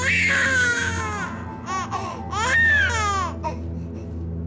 ingat anak kita juga nunik